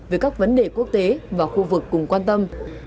về các vấn đề quốc tế và khu vực cùng quan tâm